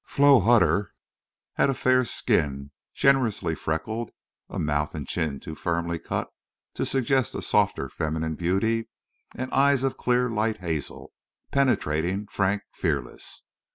Flo Hutter had a fair skin generously freckled; a mouth and chin too firmly cut to suggest a softer feminine beauty; and eyes of clear light hazel, penetrating, frank, fearless.